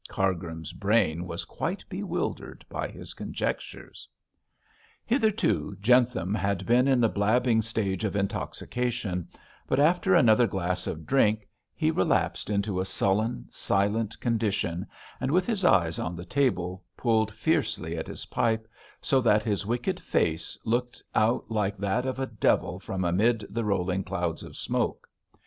Cargrim's brain was quite bewildered by his conjectures. Hitherto Jentham had been in the blabbing stage of intoxication, but after another glass of drink he relapsed into a sullen, silent condition, and with his eyes on the table pulled fiercely at his pipe, so that his wicked face looked out like that of a devil from amid the rolling clouds of smoke.